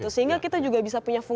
sehingga kita juga bisa punya fungsi